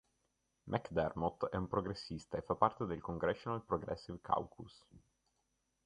McDermott è un progressista e fa parte del Congressional Progressive Caucus.